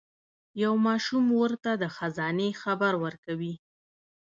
یو ماشوم ورته د خزانې خبر ورکوي.